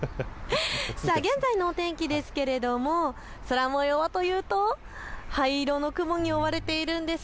現在のお天気ですが空もようはというと灰色の雲に覆われているんです。